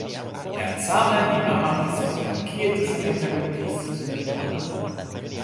jan Same li mama pi sitelen "kijetesantakalu" pi sitelen pona.